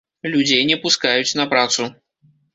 Людзей не пускаюць на працу.